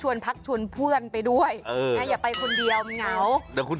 ใช่ก็ต้องไปหลายคน